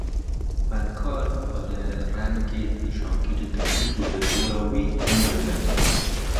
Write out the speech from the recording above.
Xwendekar xwe li rengê nîşankirî digirin û li dora wî kom dibin.